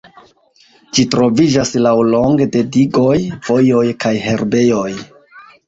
Ĝi troviĝas laŭlonge de digoj, vojoj kaj herbejoj.